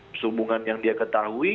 keselubungan yang dia ketahui